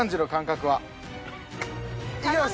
いきます。